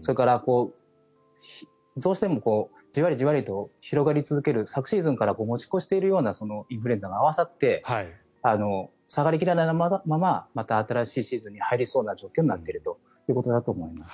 それから、どうしてもじわりじわりと広がり続ける昨シーズンから持ち越しているようなインフルエンザが合わさって下がりきらないまままた新しいシーズンに入りそうな状況になっているということだと思います。